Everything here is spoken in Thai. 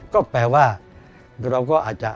ก็แปลว่าเราก็อาจจะ